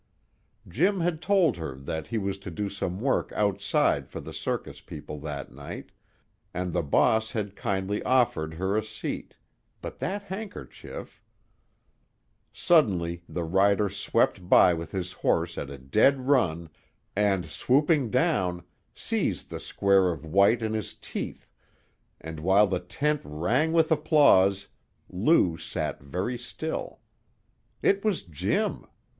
Jim had told her that he was to do some work outside for the circus people that night, and the boss had kindly offered her a seat, but that handkerchief Suddenly the rider swept by with his horse at a dead run, and swooping down, seized the square of white in his teeth, and while the tent rang with applause, Lou sat very still. It was Jim!